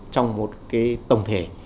trong một cái tổng thể